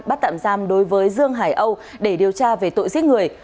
bắt tạm giam đối với dương hải âu để điều tra về tội giết người